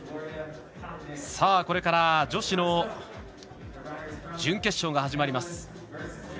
これから女子の準決勝が始まります。